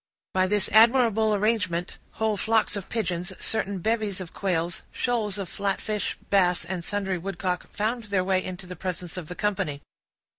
By this admirable arrangement, whole flocks of pigeons, certain bevies of quails, shoals of flatfish, bass, and sundry woodcock, found their way into the presence of the company.